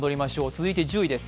続いて１０位です。